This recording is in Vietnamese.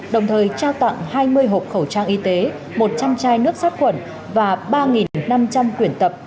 đồng thời trao tặng hai mươi hộp khẩu trang y tế một trăm linh chai nước sát khuẩn và ba năm trăm linh quyển tập